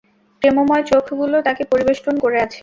প্রেমময় চোখগুলো তাকে পরিবেষ্টন করে আছে।